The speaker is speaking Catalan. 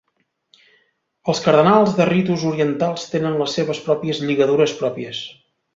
Els cardenals de ritus orientals tenen les seves pròpies lligadures pròpies.